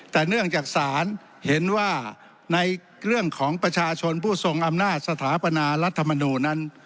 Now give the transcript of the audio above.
แต่เนื่องจากศาลเห็นว่าในเรื่องของประชาชนผู้ทรงอำนาจสถาปนารัฐมนูลนั้น